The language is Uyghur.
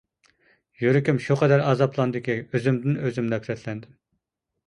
يۈرىكىم شۇ قەدەر ئازابلاندىكى، ئۆزۈمدىن ئۆزۈم نەپرەتلەندىم.